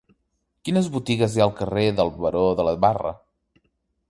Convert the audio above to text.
Quines botigues hi ha al carrer del Baró de la Barre?